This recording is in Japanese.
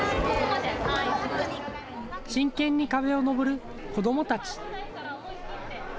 真剣に壁を登る子どもたち。